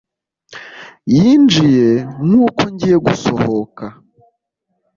yinjiye nkuko ngiye gusohoka